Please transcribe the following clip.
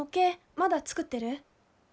まだ作ってる？